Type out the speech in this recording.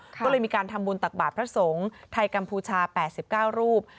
ก็เลยมีการทำบุญตักบาทพระสงฆ์ไทยกัมพูชา๘๙รูป